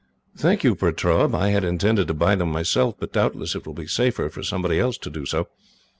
"Thank you, Pertaub. I had intended to buy them myself, but doubtless it will be safer for somebody else to do so.